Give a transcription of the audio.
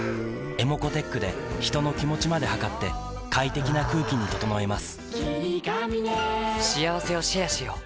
ｅｍｏｃｏーｔｅｃｈで人の気持ちまで測って快適な空気に整えます